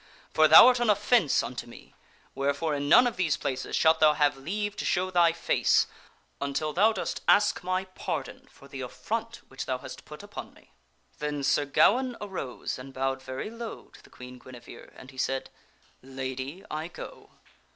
For thou art an offence unto me, wherefore in none of these places shalt thou have leave to show thy face until thou dost ask my pardon for the affront which thou hast put upon me." Then Sir Gawaine arose and bowed very low to the Queen Guinevere and he said, " Lady, I go.